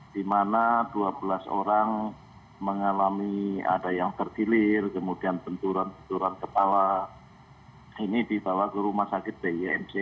di mana dua belas orang mengalami ada yang terkilir kemudian tenturan tenturan kepala ini dibawa ke rumah sakit bimc